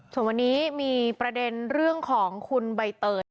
ส่วนวันนี้มีประเด็นเรื่องของคุณใบเตย